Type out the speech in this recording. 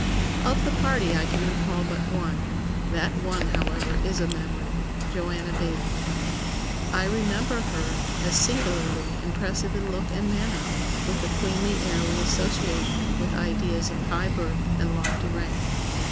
] "Of the party I can recall but one; that one, however, is a memory, JOANNA BAILLIE. I remember her as singularly impressive in look and manner, with the 'queenly' air we associate with ideas of high birth and lofty rank.